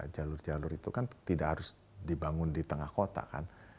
jalur jalur itu kan tidak harus dibangun di tengah kota kan